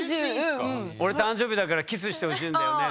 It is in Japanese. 「俺誕生日だからキスしてほしいんだよね」